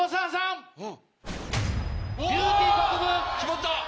決まった！